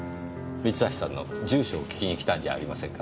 三橋さんの住所を聞きにきたんじゃありませんか？